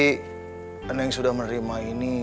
kalau saya sudah menerima ini